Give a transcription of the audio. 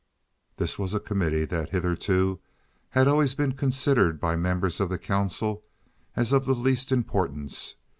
This was a committee that hitherto had always been considered by members of council as of the least importance.